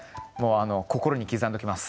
心に刻んでおきます。